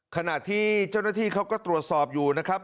ขณะที่เจ้าหน้าที่เขาก็ตรวจสอบอยู่นะครับ